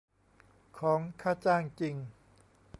ของค่าจ้างจริง